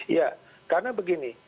ya karena begini